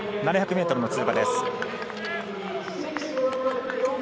７００ｍの通過です。